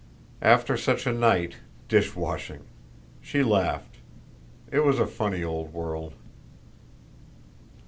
After such a night dish washing! She laughed. It was a funny old world.